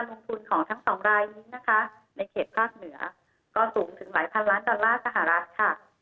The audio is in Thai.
ลงทุนของทั้งสองรายนี้นะคะในเขตภาคเหนือก็สูงถึงหลายพันล้านดอลลาร์สหรัฐค่ะ